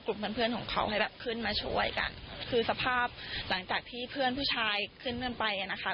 เพื่อนเพื่อนของเขาให้แบบขึ้นมาช่วยกันคือสภาพหลังจากที่เพื่อนผู้ชายขึ้นเงินไปอ่ะนะคะ